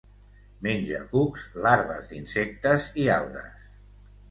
Menja cucs, larves d'insectes i algues.